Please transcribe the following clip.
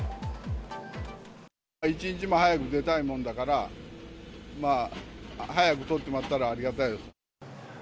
一日も早く出たいもんだから、早く取ってもらったらありがたいです。